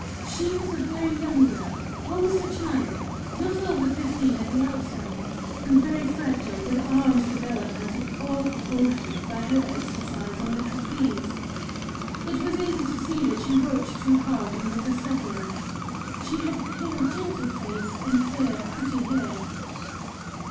She was a very young girl, almost a child, not over fifteen at the outside, and very fragile, with arms developed out of all proportion by her exercise on the trapeze. It was easy to see that she worked too hard and was a sufferer; she had a pale, gentle face and fair, pretty hair.